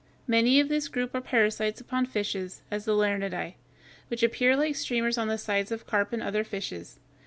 Many of this group are parasites upon fishes, as the Lernæidæ (Fig. 138), which appear like streamers on the sides of carp and other fishes.